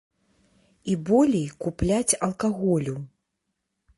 І болей купляць алкаголю.